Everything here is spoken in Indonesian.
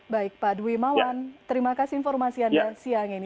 baik pak dwi mawan terima kasih informasiannya siang ini